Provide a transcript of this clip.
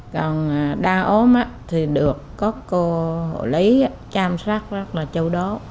còn đa ốm thì được có cô hộ lý chăm sóc rất là châu đố